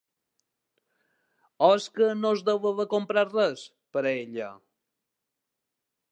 O és que no es deu haver comprat res, per a ella?